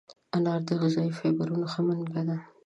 انار د غذایي فایبرونو ښه منبع ده.